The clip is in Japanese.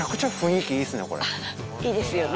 いいですよね。